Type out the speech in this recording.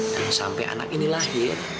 dan sampai anak ini lahir